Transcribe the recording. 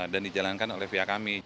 dan dijalankan oleh via kami